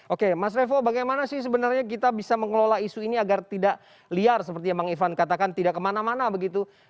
oke mas revo bagaimana sih sebenarnya kita bisa mengelola isu ini agar tidak liar seperti yang bang ivan katakan tidak kemana mana begitu